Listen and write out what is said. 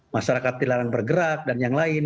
masyarakat dilarang bergerak dan yang lain